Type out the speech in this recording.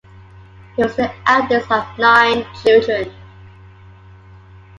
He was the eldest of nine children.